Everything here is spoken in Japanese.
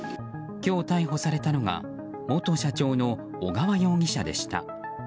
今日、逮捕されたのが元社長の小川容疑者でした。